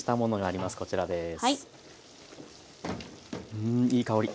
うんいい香り！